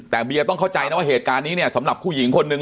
แต่เบียต้องเข้าใจนะว่าเหตุการณ์นี้เนี่ยสำหรับผู้หญิงคนนึง